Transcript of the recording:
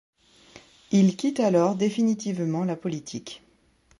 Il quitte alors définitivement la politique.